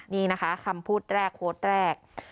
นี่นะคะคำพูดแรกโค้ดแรก